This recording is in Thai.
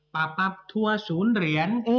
ปรับปรับทั่วศูนย์เหรียญ